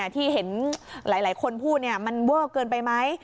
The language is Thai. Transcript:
ที่เห็นหลายคนพูดมันเวอร์เกินไปไหม